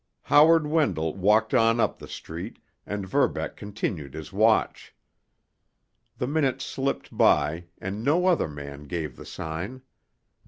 Howard Wendell walked on up the street, and Verbeck continued his watch. The minutes slipped by, and no other man gave the sign.